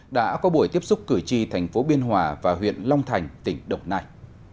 đã có buổi tiếp xúc cử tri thành phố biên hòa và huyện long thành tỉnh đồng nai